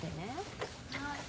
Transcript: はい。